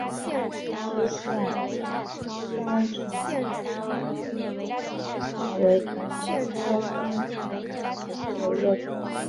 歧伞香茶菜为唇形科香茶菜属下的一个种。